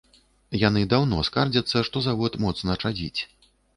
Яны даўно скардзяцца, што завод моцна чадзіць.